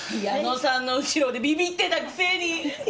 矢野さんの後ろでビビってたくせに。